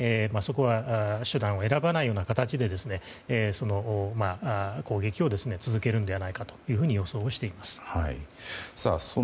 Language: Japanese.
そこは手段を選ばないような形で攻撃を続けるのではないかと予想しています。